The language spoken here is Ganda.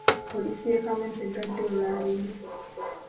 Poliisi y'e Kawempe eggaddwa olwaleero.